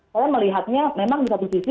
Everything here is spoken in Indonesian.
saya melihatnya memang di satu sisi